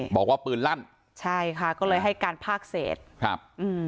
บอกว่าปืนลั่นใช่ค่ะก็เลยให้การภาคเศษครับอืม